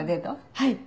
はい。